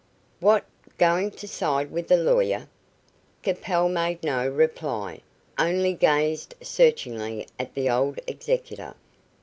"What, going to side with the lawyer?" Capel made no reply, only gazed searchingly at the old executor.